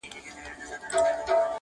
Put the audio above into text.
واعضِه تا مطرب ته چيري غوږ نېولی نه دی,